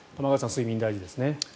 睡眠、大事ですね。